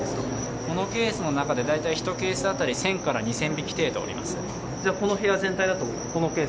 このケースの中で１ケース当たり１０００から２０００匹程度おります。